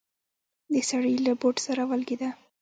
د سړي له بوټ سره ولګېده.